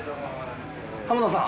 浜田さん